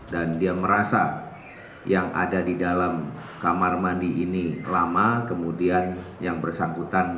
dan dia merasa yang ada di dalam kamar mandi ini lama kemudian yang bersangkutan